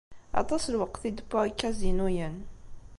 Aṭas n lweqt i d-wwiɣ deg ikazinuyen.